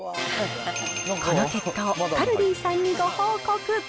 この結果をカルディさんにご報告。